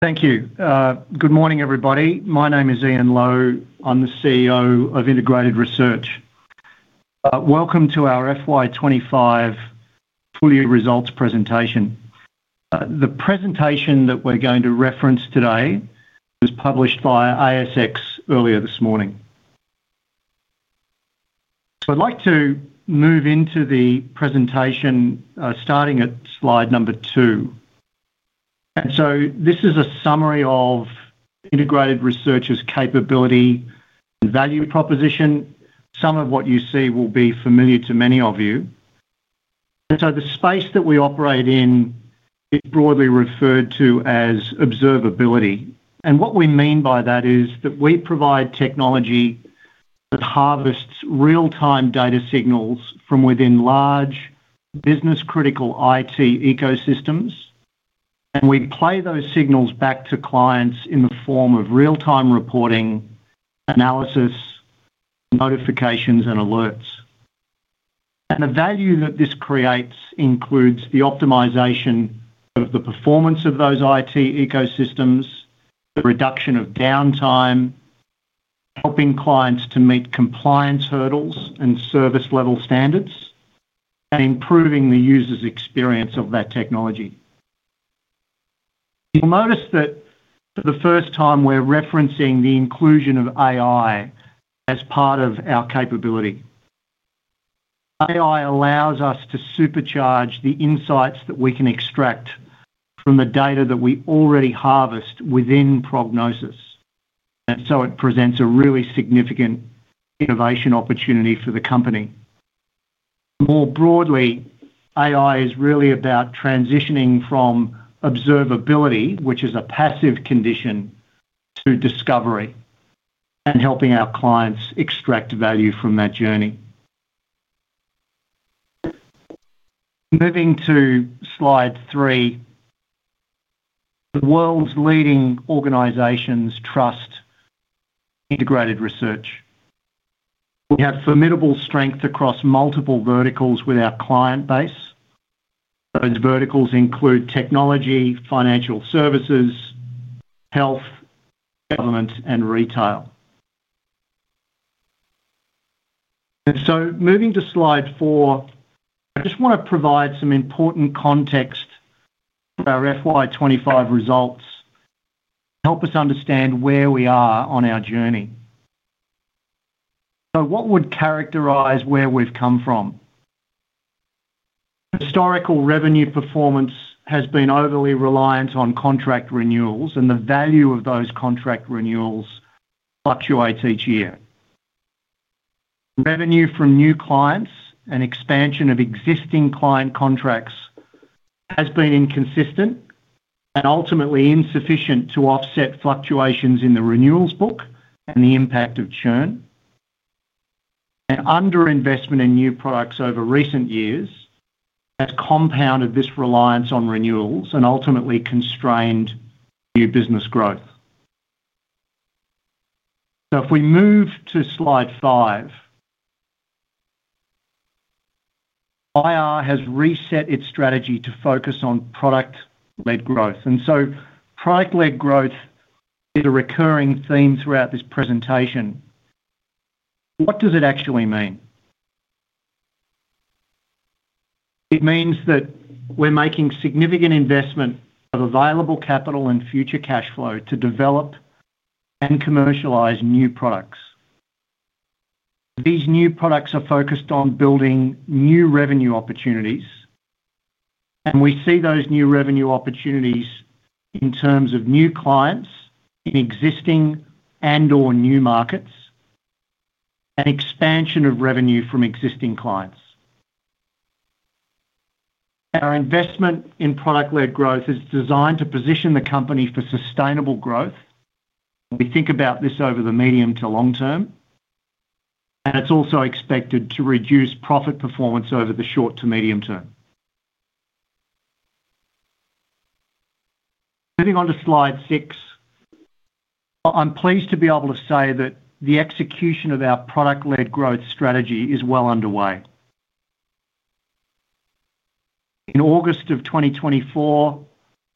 Thank you. Good morning, everybody. My name is Ian Lowe. I'm the CEO of Integrated Research. Welcome to our FY 2025 Full Year Results presentation. The presentation that we're going to reference today was published by ASX earlier this morning. I'd like to move into the presentation, starting at slide number two. This is a summary of Integrated Research's capability and value proposition. Some of what you see will be familiar to many of you. The space that we operate in is broadly referred to as observability. What we mean by that is that we provide technology that harvests real-time data signals from within large business-critical IT ecosystems, and we play those signals back to clients in the form of real-time reporting, analysis, notifications, and alerts. The value that this creates includes the optimization of the performance of those IT ecosystems, the reduction of downtime, helping clients to meet compliance hurdles and service-level standards, and improving the user's experience of that technology. You'll notice that for the first time we're referencing the inclusion of AI as part of our capability. AI allows us to supercharge the insights that we can extract from the data that we already harvest within prognosis. It presents a really significant innovation opportunity for the company. More broadly, AI is really about transitioning from observability, which is a passive condition, to discovery and helping our clients extract value from that journey. Moving to slide three, the world's leading organizations trust Integrated Research. We have formidable strength across multiple verticals with our client base. Those verticals include technology, financial services, health, government, and retail. Moving to slide four, I just want to provide some important context for our FY 2025 results to help us understand where we are on our journey. What would characterize where we've come from? Historical revenue performance has been overly reliant on contract renewals, and the value of those contract renewals fluctuates each year. Revenue from new clients and expansion of existing client contracts has been inconsistent and ultimately insufficient to offset fluctuations in the renewals book and the impact of churn. Underinvestment in new products over recent years has compounded this reliance on renewals and ultimately constrained new business growth. If we move to slide five, IR has reset its strategy to focus on product-led growth. Product-led growth is a recurring theme throughout this presentation. What does it actually mean? It means that we're making significant investment of available capital and future cash flow to develop and commercialize new products. These new products are focused on building new revenue opportunities, and we see those new revenue opportunities in terms of new clients in existing and/or new markets and expansion of revenue from existing clients. Our investment in product-led growth is designed to position the company for sustainable growth. We think about this over the medium to long term, and it's also expected to reduce profit performance over the short to medium term. Moving on to slide six, I'm pleased to be able to say that the execution of our product-led growth strategy is well underway. In August 2024,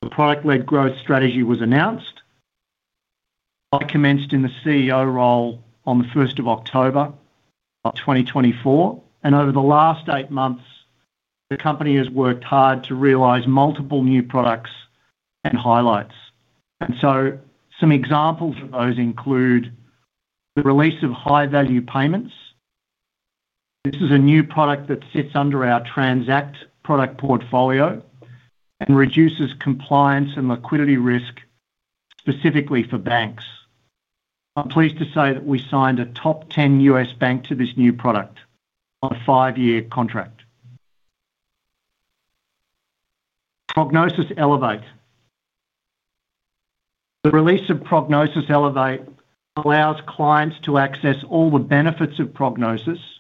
the product-led growth strategy was announced. I commenced in the CEO role on the 1st of October 2024, and over the last eight months, the company has worked hard to realize multiple new products and highlights. Some examples of those include the release of High-Value Payments. This is a new product that sits under our Transact product portfolio and reduces compliance and liquidity risk specifically for banks. I'm pleased to say that we signed a top 10 U.S., bank to this new product on a five-year contract. Prognosis Elevate. The release of Prognosis Elevate allows clients to access all the benefits of Prognosis,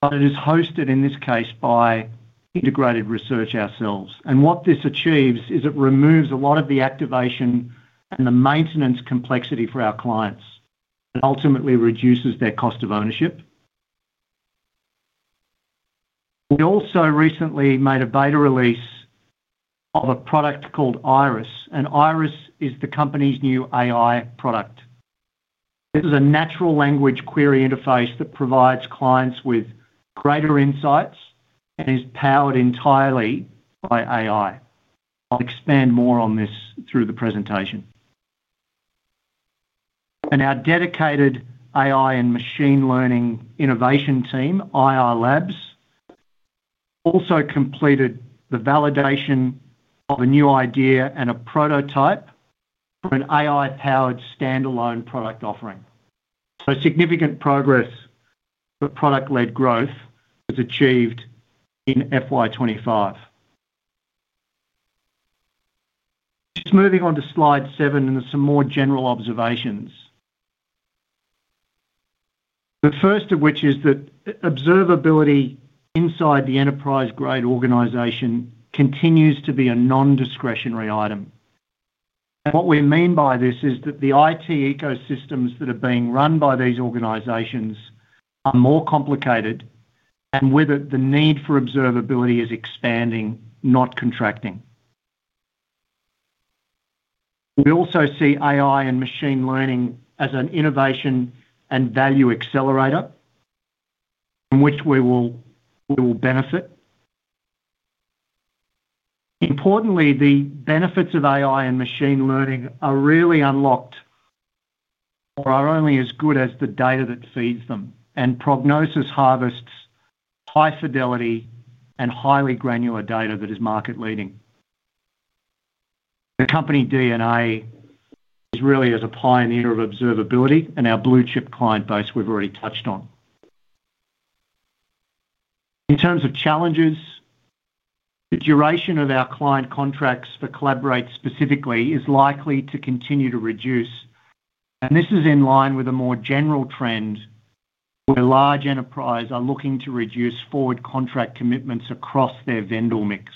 but it is hosted in this case by Integrated Research ourselves. What this achieves is it removes a lot of the activation and the maintenance complexity for our clients and ultimately reduces their cost of ownership. We also recently made a beta release of a product called Iris, and Iris is the company's new AI product. This is a natural language query interface that provides clients with greater insights and is powered entirely by AI. I'll expand more on this through the presentation. Our dedicated AI and machine learning innovation team, IR Labs, also completed the validation of a new idea and a prototype for an AI-powered standalone product offering. Significant progress for product-led growth was achieved in FY 2025. Moving on to slide seven and some more general observations. The first of which is that observability inside the enterprise-grade organization continues to be a non-discretionary item. What we mean by this is that the IT ecosystems that are being run by these organizations are more complicated, and with it, the need for observability is expanding, not contracting. We also see AI and machine learning as an innovation and value accelerator from which we will benefit. Importantly, the benefits of AI and machine learning are really unlocked or are only as good as the data that feeds them, and Prognosis harvests high fidelity and highly granular data that is market-leading. The company DNA is really as a pioneer of observability, and our blue-chip client base we've already touched on. In terms of challenges, the duration of our client contracts for Collaborate specifically is likely to continue to reduce, and this is in line with a more general trend where large enterprises are looking to reduce forward contract commitments across their vendor mix.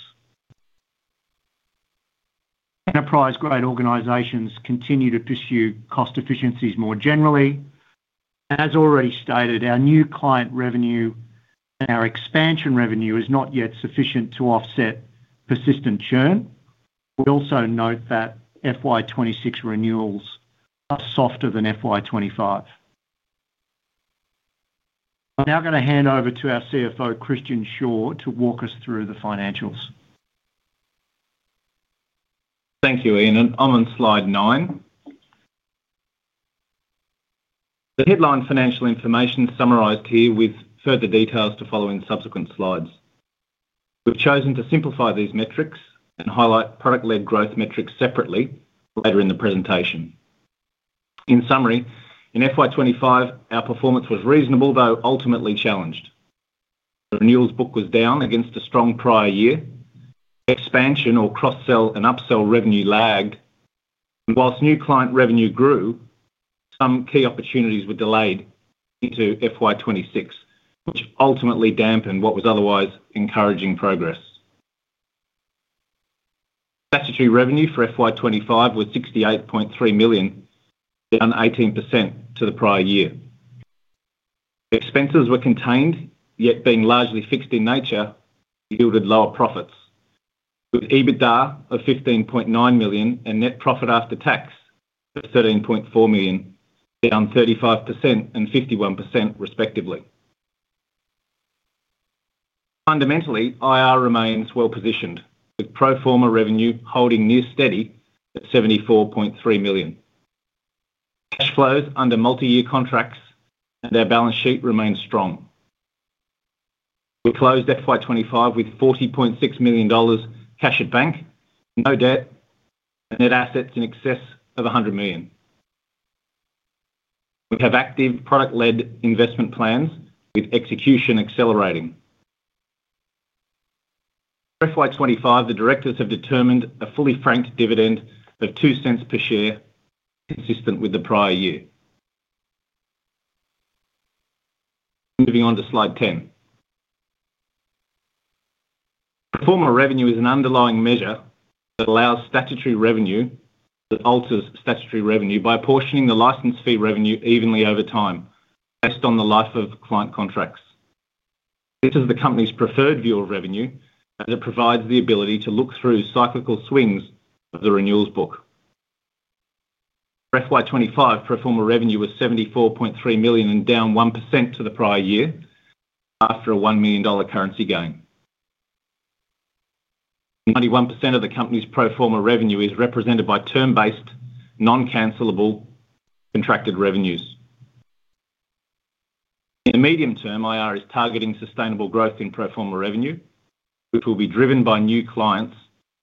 Enterprise-grade organizations continue to pursue cost efficiencies more generally. As already stated, our new client revenue and our expansion revenue is not yet sufficient to offset persistent churn. We also note that FY 2026 renewals are softer than FY 2025. I'm now going to hand over to our CFO, Christian Shaw, to walk us through the financials. Thank you, Ian. I'm on slide nine. The headline financial information is summarized here, with further details to follow in subsequent slides. We've chosen to simplify these metrics and highlight product-led growth metrics separately later in the presentation. In summary, in FY 2025, our performance was reasonable, though ultimately challenged. The renewals book was down against a strong prior year. Expansion or cross-sell and upsell revenue lagged. Whilst new client revenue grew, some key opportunities were delayed into FY 2026, which ultimately dampened what was otherwise encouraging progress. Statutory revenue for FY 2025 was $68.3 million, down 18% to the prior year. Expenses were contained, yet being largely fixed in nature yielded lower profits, with EBITDA of $15.9 million and net profit after tax of $13.4 million, down 35% and 51% respectively. Fundamentally, IR remains well-positioned, with pro forma revenue holding near steady at $74.3 million. It flows under multi-year contracts, and our balance sheet remains strong. We closed FY 2025 with $40.6 million cash at bank, no debt, and net assets in excess of $100 million. We have active product-led investment plans with execution accelerating. For FY 2025, the directors have determined a fully franked dividend of $0.02 per share, consistent with the prior year. Moving on to slide 10. Performance revenue is an underlying measure that alters statutory revenue by apportioning the license fee revenue evenly over time based on the life of client contracts. This is the company's preferred view of revenue as it provides the ability to look through cyclical swings of the renewals book. For FY 2025, pro forma revenue was $74.3 million and down 1% to the prior year after a $1 million currency gain. 91% of the company's pro forma revenue is represented by term-based, non-cancellable contracted revenues. In the medium term, IR is targeting sustainable growth in pro forma revenue, which will be driven by new clients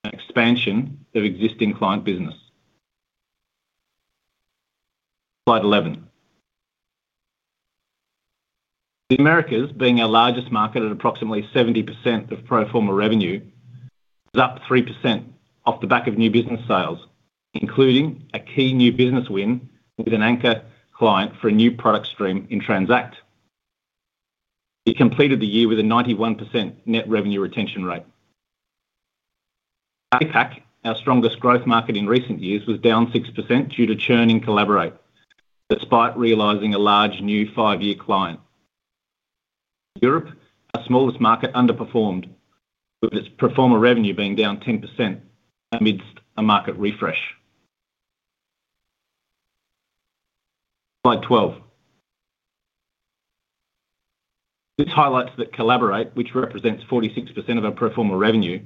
and expansion of existing client business. Slide 11. The Americas, being our largest market at approximately 70% of pro forma revenue, is up 3% off the back of new business sales, including a key new business win with an anchor client for a new product stream in Transact. We completed the year with a 91% net revenue retention rate. APAC, our strongest growth market in recent years, was down 6% due to churn in Collaborate, despite realizing a large new five-year client. Europe, the smallest market, underperformed with its pro forma revenue being down 10% amidst a market refresh. Slide 12. This highlights that Collaborate, which represents 46% of our pro forma revenue,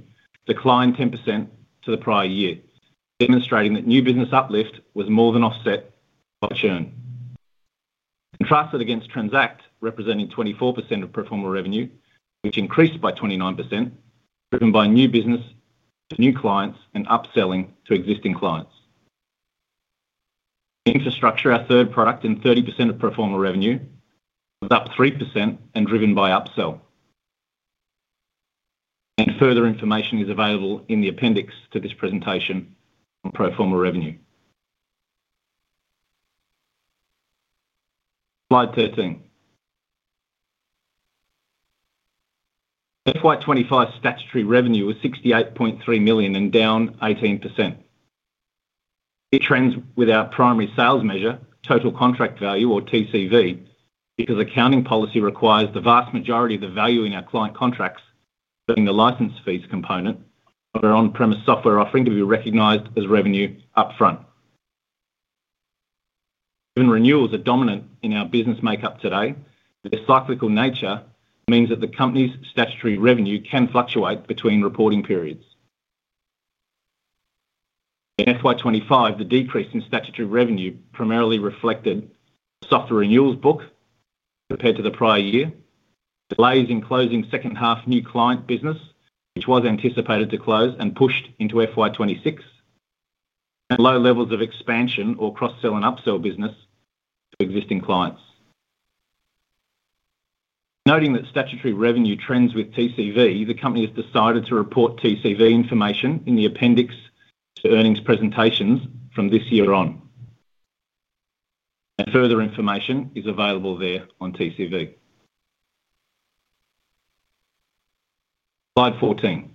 declined 10% to the prior year, demonstrating that new business uplift was more than offset by churn. Contrasted against Transact, representing 24% of pro forma revenue, which increased by 29%, driven by new business and new clients and upselling to existing clients. Infrastructure, our third product, in 30% of pro forma revenue, was up 3% and driven by upsell. Further information is available in the appendix to this presentation on pro forma revenue. Slide 13. FY 2025 statutory revenue was $68.3 million and down 18%. It trends with our primary sales measure, total contract value, or TCV, because accounting policy requires the vast majority of the value in our client contracts during the license fees component of our on-premise software offering to be recognized as revenue upfront. Given renewals are dominant in our business makeup today, their cyclical nature means that the company's statutory revenue can fluctuate between reporting periods. In FY 2025, the decrease in statutory revenue primarily reflected the software renewals book compared to the prior year, delays in closing second half new client business, which was anticipated to close and pushed into FY 2026, and low levels of expansion or cross-sell and upsell business to existing clients. Noting that statutory revenue trends with TCV, the company has decided to report TCV information in the appendix to earnings presentations from this year on. Further information is available there on TCV. Slide 14.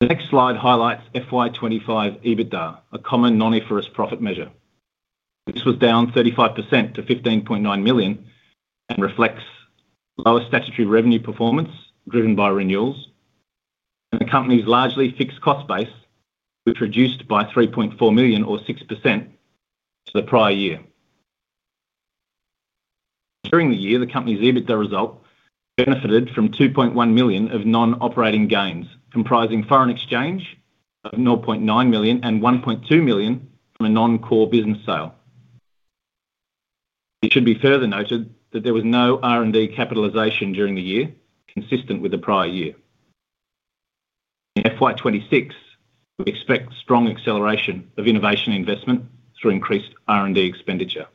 The next slide highlights FY 2025 EBITDA, a common non-IFRS profit measure. This was down 35% to $15.9 million and reflects lower statutory revenue performance driven by renewals and the company's largely fixed cost base, which reduced by $3.4 million or 6% for the prior year. During the year, the company's EBITDA result benefited from $2.1 million of non-operating gains, comprising foreign exchange of $0.9 million and $1.2 million from a non-core business sale. It should be further noted that there was no R&D capitalization during the year, consistent with the prior year. In FY 2026, we expect strong acceleration of innovation investment through increased R&D expenditure.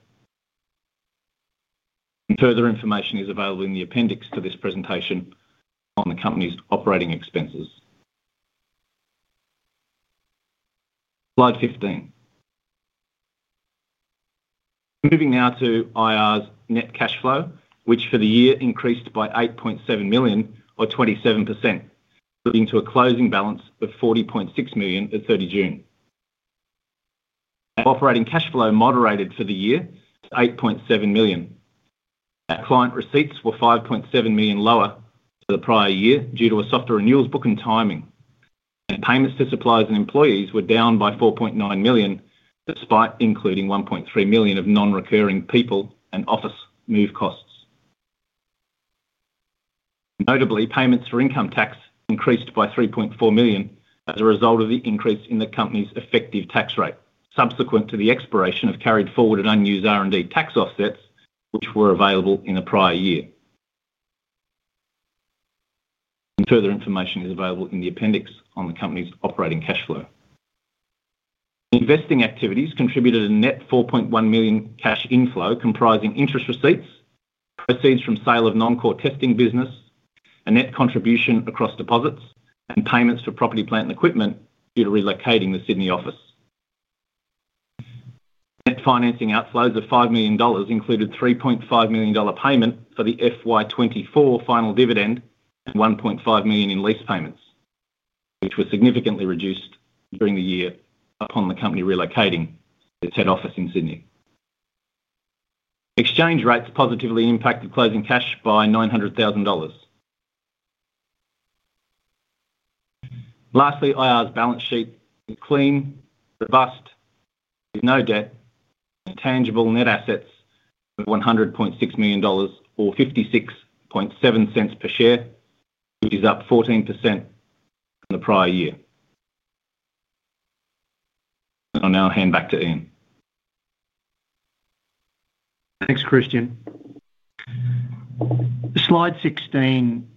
Further information is available in the appendix to this presentation on the company's operating expenses. Slide 15. Moving now to IR's net cash flow, which for the year increased by $8.7 million or 27%, leading to a closing balance of $40.6 million at 30th June. Our operating cash flow moderated for the year to $8.7 million. Our client receipts were $5.7 million lower than the prior year due to a softer renewals book and timing. Our payments to suppliers and employees were down by $4.9 million, despite including $1.3 million of non-recurring people and office move costs. Notably, payments for income tax increased by $3.4 million as a result of the increase in the company's effective tax rate subsequent to the expiration of carried forward and unused R&D tax offsets, which were available in the prior year. Further information is available in the appendix on the company's operating cash flow. Investing activities contributed a net $4.1 million cash inflow, comprising interest receipts, proceeds from sale of non-core testing business, a net contribution across deposits, and payments for property, plant and equipment due to relocating the Sydney office. Net financing outflows of $5 million included a $3.5 million payment for the FY 2024 final dividend and $1.5 million in lease payments, which were significantly reduced during the year upon the company relocating its head office in Sydney. Exchange rates positively impacted closing cash by $900,000. Lastly, IR's balance sheet is clean, robust, with no debt, and tangible net assets of $100.6 million or $0.567 per share, which is up 14% from the prior year. I'll now hand back to Ian. Thanks, Christian. Slide 16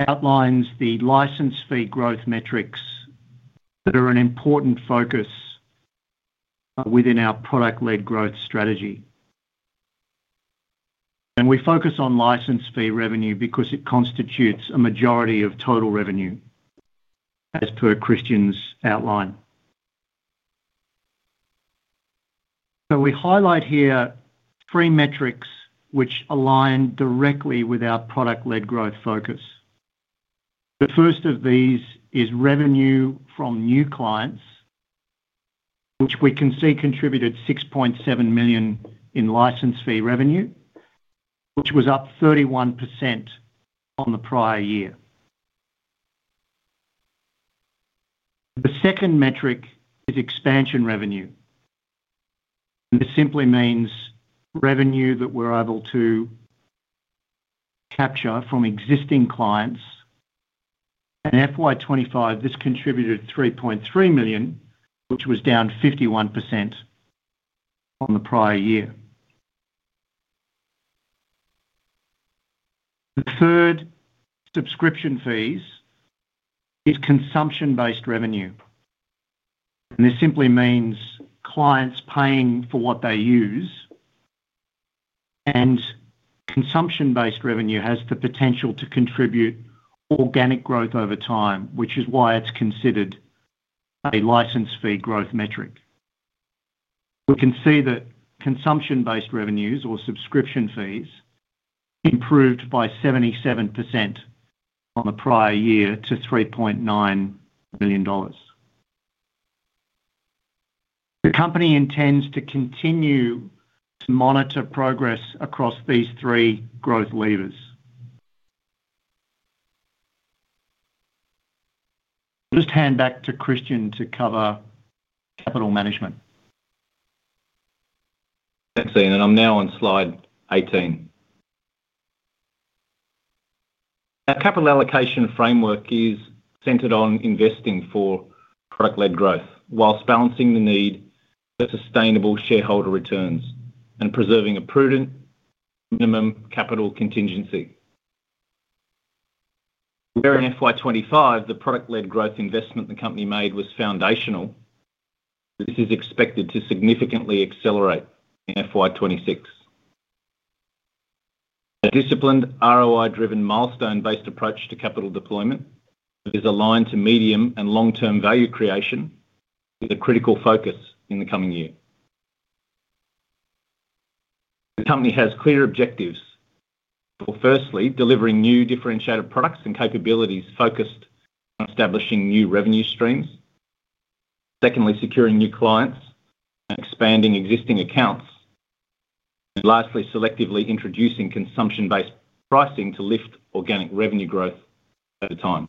outlines the license fee growth metrics that are an important focus within our product-led growth strategy. We focus on license fee revenue because it constitutes a majority of total revenue, as per Christian's outline. We highlight here three metrics which align directly with our product-led growth focus. The first of these is revenue from new clients, which we can see contributed $6.7 million in license fee revenue, which was up 31% on the prior year. The second metric is expansion revenue. This simply means revenue that we're able to capture from existing clients. In FY 2025, this contributed $3.3 million, which was down 51% on the prior year. The third, subscription fees, is consumption-based revenue. This simply means clients paying for what they use. Consumption-based revenue has the potential to contribute organic growth over time, which is why it's considered a license fee growth metric. We can see that consumption-based revenues, or subscription fees, improved by 77% on the prior year to $3.9 million. The company intends to continue to monitor progress across these three growth levers. I'll just hand back to Christian to cover capital management. Thanks, Ian. I'm now on slide 18. Our capital allocation framework is centered on investing for product-led growth, while balancing the need for sustainable shareholder returns and preserving a prudent minimum capital contingency. Where in FY 2025 the product-led growth investment the company made was foundational, this is expected to significantly accelerate in FY 2026. A disciplined, ROI-driven, milestone-based approach to capital deployment is aligned to medium and long-term value creation with a critical focus in the coming year. The company has clear objectives for, firstly, delivering new differentiated products and capabilities focused on establishing new revenue streams. Secondly, securing new clients and expanding existing accounts. Lastly, selectively introducing consumption-based pricing to lift organic revenue growth over time.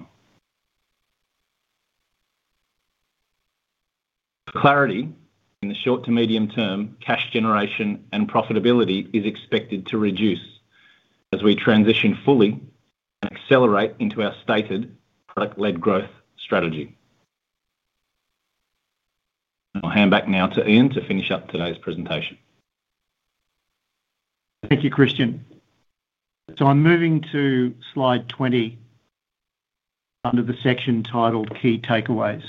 For clarity, in the short to medium term, cash generation and profitability is expected to reduce as we transition fully and accelerate into our stated product-led growth strategy. I'll hand back now to Ian to finish up today's presentation. Thank you, Christian. I'm moving to slide 20 under the section titled Key Takeaways.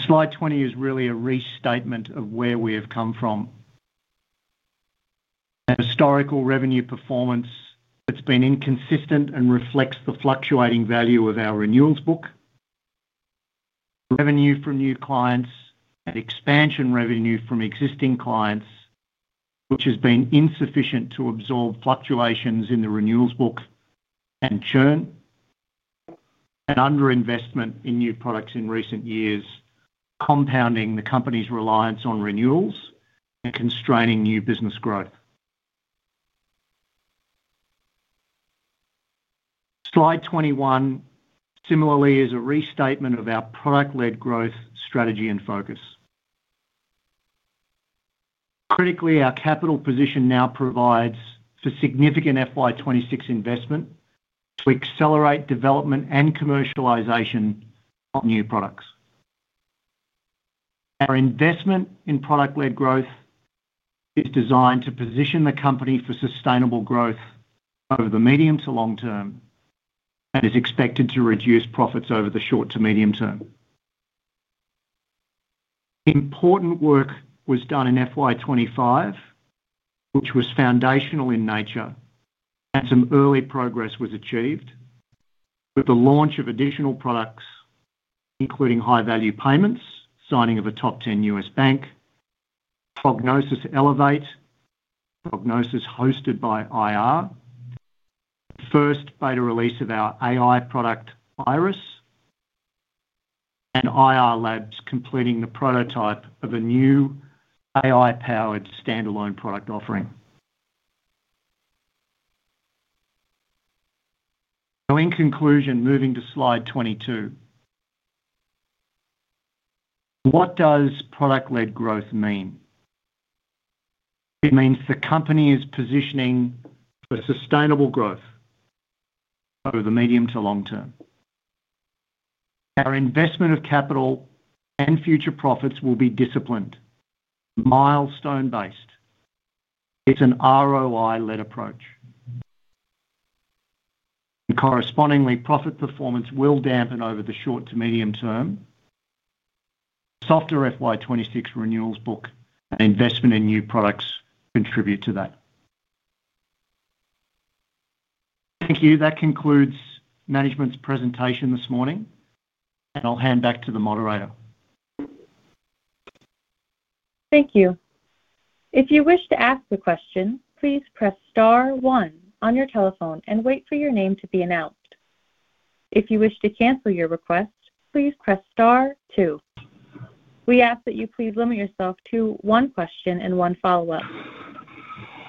Slide 20 is really a restatement of where we have come from. Our historical revenue performance has been inconsistent and reflects the fluctuating value of our renewals book, revenue from new clients, and expansion revenue from existing clients, which has been insufficient to absorb fluctuations in the renewals book and churn. Underinvestment in new products in recent years is compounding the company's reliance on renewals and constraining new business growth. Slide 21, similarly, is a restatement of our product-led growth strategy and focus. Critically, our capital position now provides for significant FY 2026 investment. We accelerate development and commercialization of new products. Our investment in product-led growth is designed to position the company for sustainable growth over the medium to long term and is expected to reduce profits over the short to medium term. Important work was done in FY 2025, which was foundational in nature, and some early progress was achieved with the launch of additional products, including High Value Payments, signing of a top 10 U.S. bank, Prognosis Elevate, Prognosis hosted by IR, the first beta release of our AI product, Iris, and IR Labs completing the prototype of a new AI-powered standalone product offering. In conclusion, moving to slide 22, what does product-led growth mean? It means the company is positioning for sustainable growth over the medium to long term. Our investment of capital and future profits will be disciplined, milestone-based. It's an ROI-led approach. Correspondingly, profit performance will dampen over the short to medium term. Softer FY 2026 renewals book and investment in new products contribute to that. Thank you. That concludes management's presentation this morning. I'll hand back to the moderator. Thank you. If you wish to ask a question, please press star one on your telephone and wait for your name to be announced. If you wish to cancel your request, please press star two. We ask that you please limit yourself to one question and one follow-up.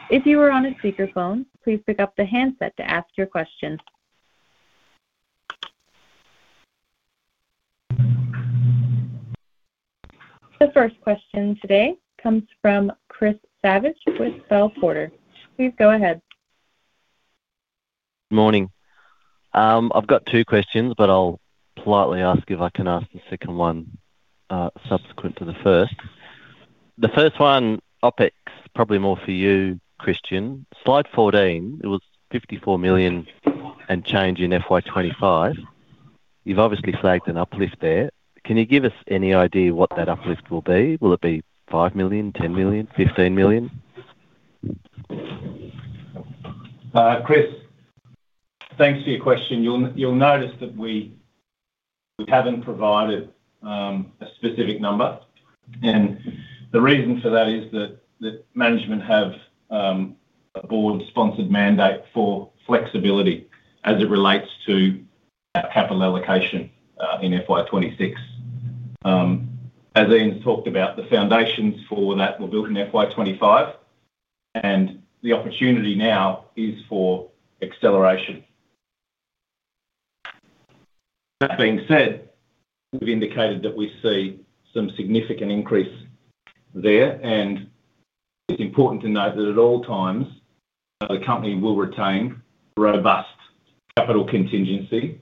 If you are on a speakerphone, please pick up the handset to ask your question. The first question today comes from Chris Savage with Bell Potter. Please go ahead. Morning. I've got two questions, but I'll politely ask if I can ask the second one subsequent to the first. The first one I'll pick probably more for you, Christian. Slide 14, it was $54 million and change in FY 2025. You've obviously flagged an uplift there. Can you give us any idea what that uplift will be? Will it be $5 million, $10 million, $15 million? Chris, thanks for your question. You'll notice that we haven't provided a specific number. The reason for that is that management have a Board-sponsored mandate for flexibility as it relates to that capital allocation in FY 2026. As Ian's talked about, the foundations for that were built in FY 2025, and the opportunity now is for acceleration. That being said, we've indicated that we see some significant increase there, and it's important to note that at all times the company will retain a robust capital contingency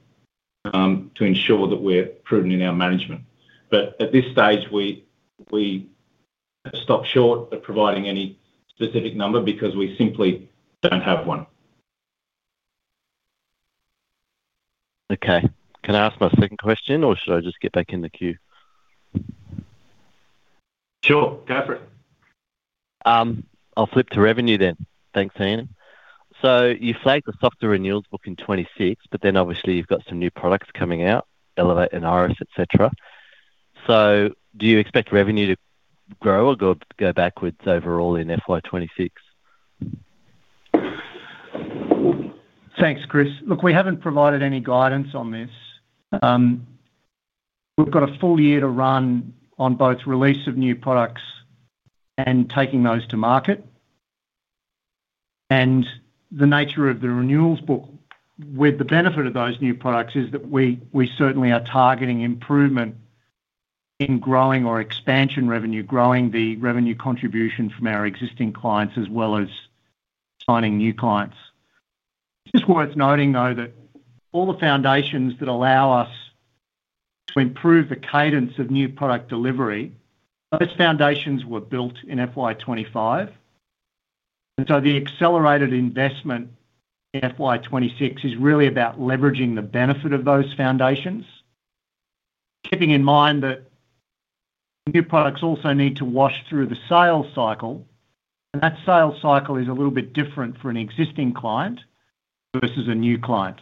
to ensure that we're prudent in our management. At this stage, we have stopped short of providing any specific number because we simply don't have one. Okay. Can I ask my second question, or should I just get back in the queue? Sure. Go for it. I'll flip to revenue. Thanks, Ian. You flagged the softer renewals book in 2026, but obviously you've got some new products coming out, Prognosis Elevate and Iris, et cetera. Do you expect revenue to grow or go backwards overall in FY 2026? Thanks, Chris. Look, we haven't provided any guidance on this. We've got a full year to run on both release of new products and taking those to market. The nature of the renewals book with the benefit of those new products is that we certainly are targeting improvement in growing or expansion revenue, growing the revenue contribution from our existing clients as well as signing new clients. It's just worth noting that all the foundations that allow us to improve the cadence of new product delivery, those foundations were built in FY 2025. The accelerated investment in FY 2026 is really about leveraging the benefit of those foundations, keeping in mind that new products also need to wash through the sales cycle, and that sales cycle is a little bit different for an existing client versus a new client.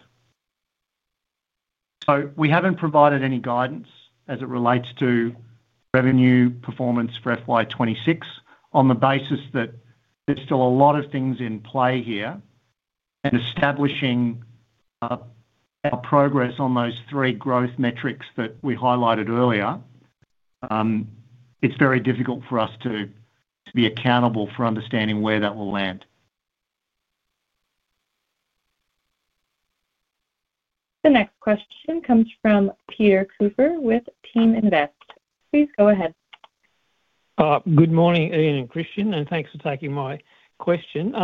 We haven't provided any guidance as it relates to revenue performance for FY 2026 on the basis that there's still a lot of things in play here and establishing our progress on those three growth metrics that we highlighted earlier. It's very difficult for us to be accountable for understanding where that will land. The next question comes from Peter Cooper with Teaminvest. Please go ahead. Good morning, Ian and Christian, and thanks for taking my question.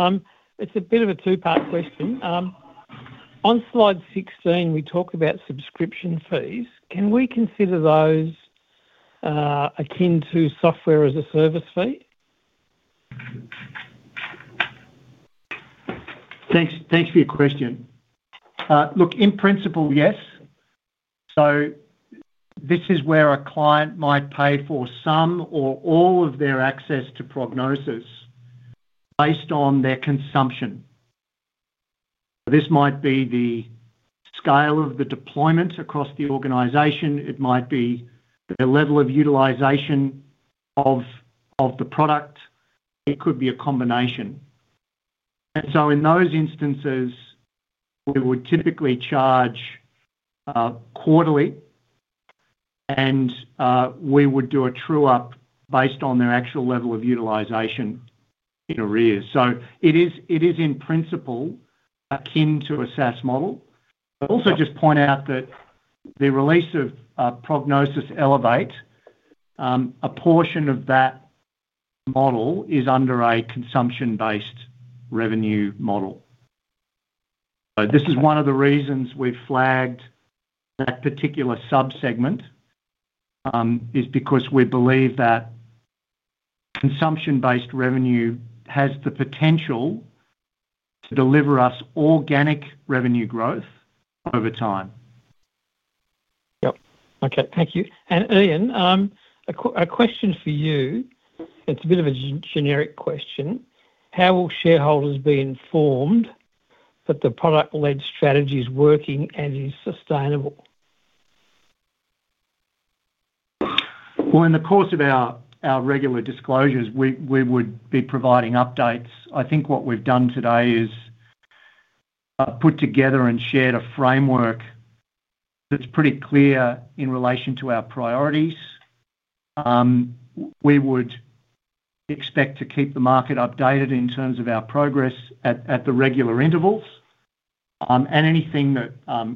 It's a bit of a two-part question. On slide 16, we talk about subscription fees. Can we consider those akin to software as a service fee? Thanks for your question. Look, in principle, yes. This is where a client might pay for some or all of their access to Prognosis based on their consumption. This might be the scale of the deployment across the organization, their level of utilization of the product, or a combination. In those instances, we would typically charge quarterly, and we would do a true up based on their actual level of utilization in arrears. It is, in principle, akin to a SaaS model. I would also just point out that the release of Prognosis Elevate, a portion of that model is under a consumption-based revenue model. This is one of the reasons we've flagged that particular subsegment, because we believe that consumption-based revenue has the potential to deliver us organic revenue growth over time. Okay. Thank you. Ian, a question for you. It's a bit of a generic question. How will shareholders be informed that the product-led strategy is working and is sustainable? In the course of our regular disclosures, we would be providing updates. I think what we've done today is put together and shared a framework that's pretty clear in relation to our priorities. We would expect to keep the market updated in terms of our progress at the regular intervals. Anything that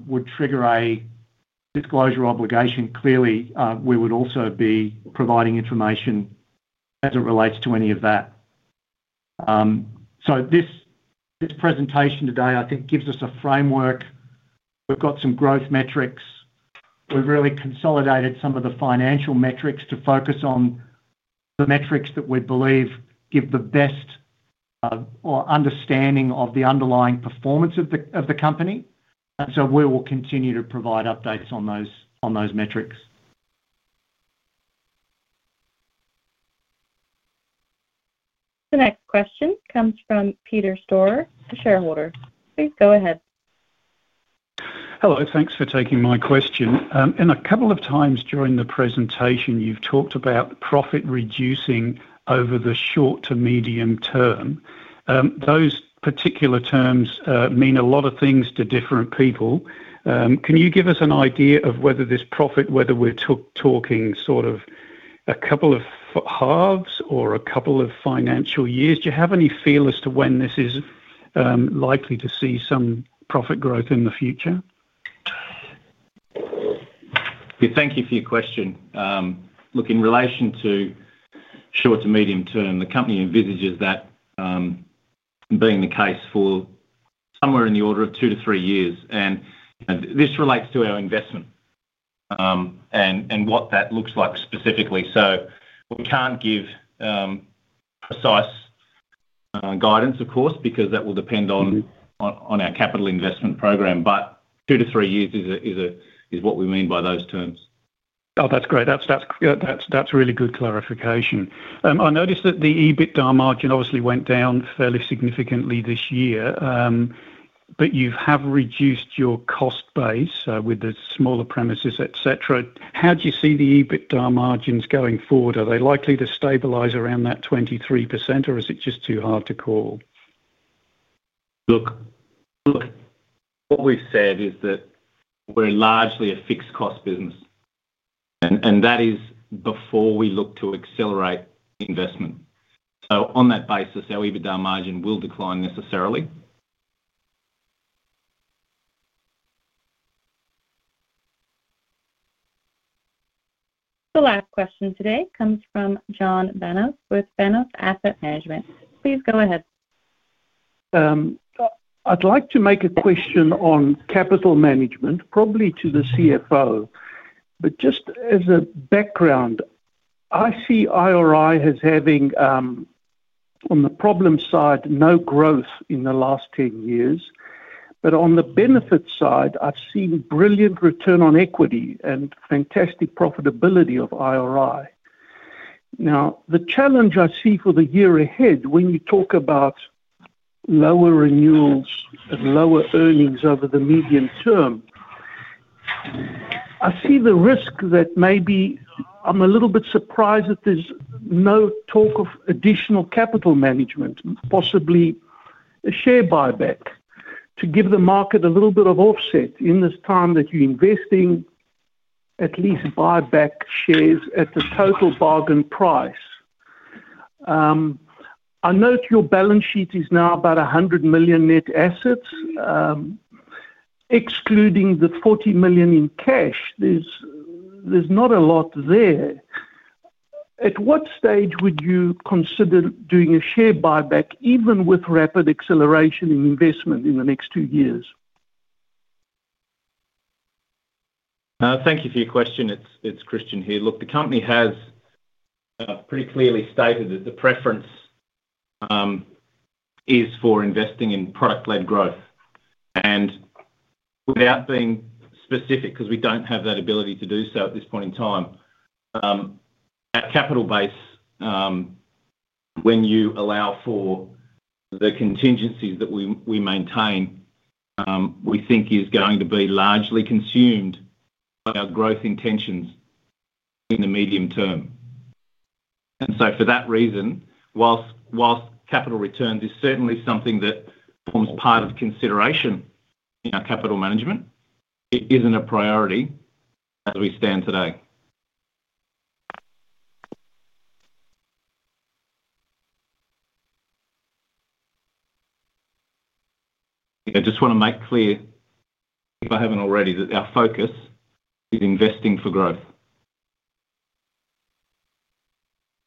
would trigger a disclosure obligation, clearly, we would also be providing information as it relates to any of that. This presentation today, I think, gives us a framework. We've got some growth metrics. We've really consolidated some of the financial metrics to focus on the metrics that we believe give the best understanding of the underlying performance of the company. We will continue to provide updates on those metrics. The next question comes from Peter Storer, a shareholder. Please go ahead. Hello. Thanks for taking my question. In a couple of times during the presentation, you've talked about profit reducing over the short to medium term. Those particular terms mean a lot of things to different people. Can you give us an idea of whether this profit, whether we're talking sort of a couple of halves or a couple of financial years, do you have any feel as to when this is likely to see some profit growth in the future? Thank you for your question. In relation to short to medium term, the company envisages that being the case for somewhere in the order of two to three years. This relates to our investment and what that looks like specifically. We can't give precise guidance, of course, because that will depend on our capital investment program. Two to three years is what we mean by those terms. Oh, that's great. That's really good clarification. I noticed that the EBITDA margin obviously went down fairly significantly this year, but you have reduced your cost base with the smaller premises, et cetera. How do you see the EBITDA margins going forward? Are they likely to stabilize around that 23%, or is it just too hard to call? Look, what we've said is that we're largely a fixed cost business. That is before we look to accelerate investment. On that basis, our EBITDA margin will decline necessarily. The last question today comes from John Banos with Banos Asset Management. Please go ahead. I'd like to make a question on capital management, probably to the CFO. Just as a background, I see IR as having, on the problem side, no growth in the last 10 years. On the benefit side, I've seen brilliant return on equity and fantastic profitability of IR. The challenge I see for the year ahead, when you talk about lower renewals and lower earnings over the median term, I see the risk that maybe I'm a little bit surprised that there's no talk of additional capital management, possibly a share buyback to give the market a little bit of offset in this time that you're investing, at least buy back shares at the total bargain price. I note your balance sheet is now about $100 million net assets. Excluding the $40 million in cash, there's not a lot there. At what stage would you consider doing a share buyback, even with rapid acceleration in investment in the next two years? Thank you for your question. It's Christian here. The company has pretty clearly stated that the preference is for investing in product-led growth. Without being specific, because we don't have that ability to do so at this point in time, our capital base, when you allow for the contingencies that we maintain, we think is going to be largely consumed by our growth intentions in the medium term. For that reason, whilst capital returns is certainly something that forms part of consideration in our capital management, it isn't a priority as we stand today. I just want to make clear, if I haven't already, that our focus is investing for growth.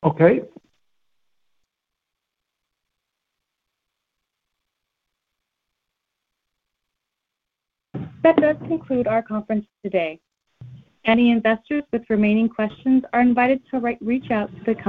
Okay. That does conclude our conference today. Any investors with remaining questions are invited to reach out to the.